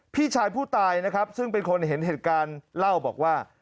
พี่ชายผู้ตายนะครับซึ่งเป็นคนเห็นเหตุการณ์เล่าบอกว่า